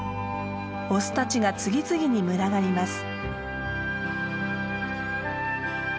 オスたちが次々に群がります。